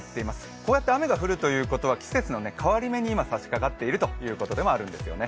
こうやって雨が降るということは、季節の変わり目に今、差しかかっているということでもあるんですよね。